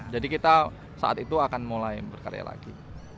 jadi kita saat itu akan mulai berkarya lagi